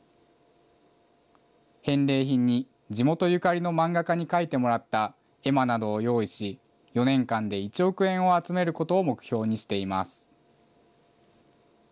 返礼品に、地元ゆかりの漫画家に描いてもらった絵馬などを用意し、４年間で１億円を集めることを目標にしています。